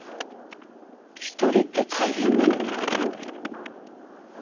一人って大変なのよ。